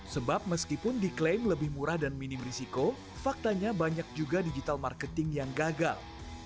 sebab meskipun diklaim lebih murah dan minim risiko faktanya banyak juga digital marketing yang gagal